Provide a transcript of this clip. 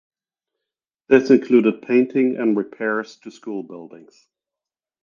This included painting and repairs to school buildings.